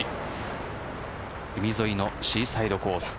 海沿いのシーサイドコース。